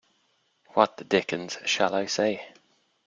What the dickens shall I say?